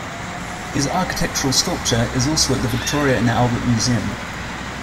His architectural sculpture is also at the Victoria and Albert Museum.